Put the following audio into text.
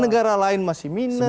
negara lain masih minus